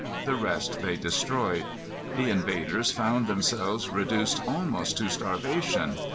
The rest they destroyed. The invaders found themselves reduced almost to starvation.